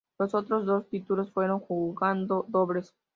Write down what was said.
Los otros dos títulos fueron jugando dobles.